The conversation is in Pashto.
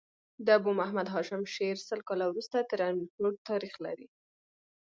د ابو محمد هاشم شعر سل کاله وروسته تر امیر کروړ تاريخ لري.